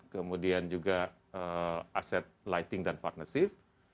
kemudian juga aset lighting dan partnership